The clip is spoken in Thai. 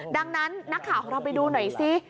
ดังนั้นนักข่าวของเราไปดูหน่อยซิ